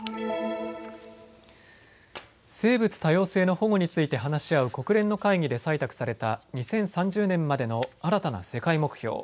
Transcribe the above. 生物多様性の保護について話し合う国連の会議で採択された２０３０年までの新たな世界目標。